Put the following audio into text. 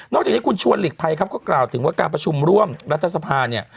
จากนี้คุณชวนหลีกภัยครับก็กล่าวถึงว่าการประชุมร่วมรัฐสภาเนี่ย